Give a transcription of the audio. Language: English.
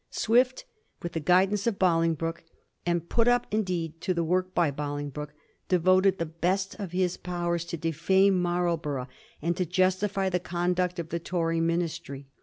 Swift, with the guidance of Bolingbroke, and put up, indeed, to the work by Bolingbroke, devoted the best of his powers to defame Marlborough, and to justify the conduct of the Tory ministry.